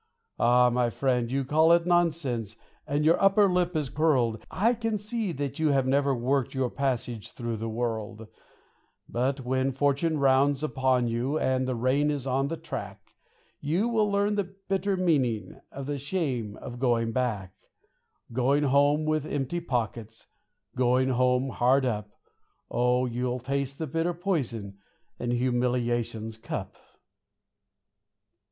Ah! my friend, you call it nonsense, and your upper lip is curled, I can see that you have never worked your passage through the world; But when fortune rounds upon you and the rain is on the track, You will learn the bitter meaning of the shame of going back; Going home with empty pockets, Going home hard up; Oh, you'll taste the bitter poison in humiliation's cup.